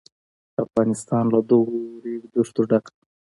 افغانستان له دغو ریګ دښتو ډک دی.